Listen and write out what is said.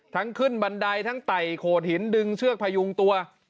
ทั้งขึ้นบันไดทั้งไต่โขดหินดึงเชือกพยุงตัว